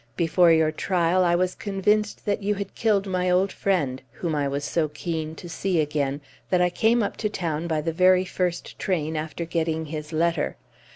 Before your trial I was convinced that you had killed my old friend, whom I was so keen to see again that I came up to town by the very first train after getting his letter.